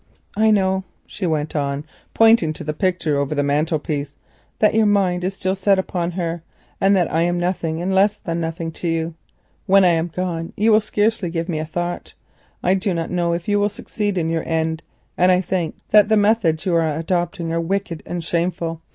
"I know," she went on, pointing to the picture over the mantelpiece, "that your mind is still set upon her, and I am nothing, and less than nothing, to you. When I am gone you will scarcely give me a thought. I cannot tell you if you will succeed in your end, and I think the methods you are adopting wicked and shameful.